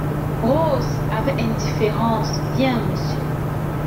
Rose , avec indifférence, Bien, Monsieur.